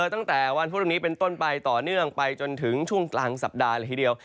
ตั้งแต่วันพรุ่งนี้เป็นต้นไปต่อเนื่องไปจนถึงช่วงกลางสัปดาห์เลยทีเดียว